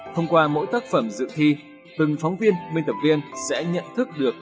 thông qua mỗi tác phẩm dự thi từng phóng viên biên tập viên sẽ nhận thức được